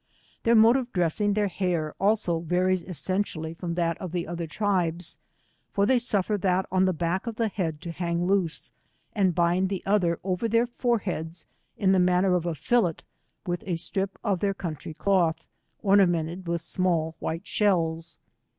Their mode of dressing their hair also varies es sentially from that of the other tribes, for they suffer that on the back of the head to hang loose, and bind the other over their foreheads in the man lier of a jQUett, with a strip of their country cloth, ornamented with small white shells.